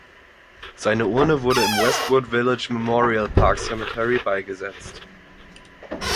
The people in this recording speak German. Seine Urne wurde im Westwood Village Memorial Park Cemetery beigesetzt.